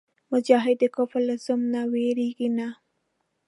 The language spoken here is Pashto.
مجاهد د کفر له ظلم نه وېرېږي نه.